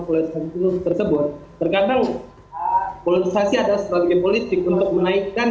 kalau tersebut tergantung polarisasi adalah strategi politik untuk menaikkan